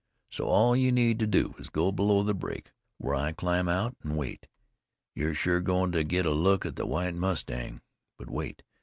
So all you need do is go below the break, where I climb out, an' wait. You're sure goin' to get a look at the White Mustang. But wait.